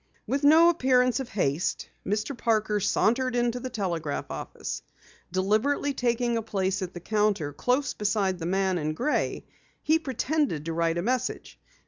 With no appearance of haste, Mr. Parker sauntered into the telegraph office. Deliberately taking a place at the counter close beside the man in gray, he pretended to write a message.